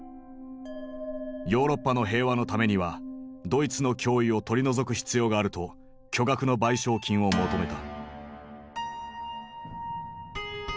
ヨーロッパの平和のためにはドイツの脅威を取り除く必要があると巨額の賠償金を求めた。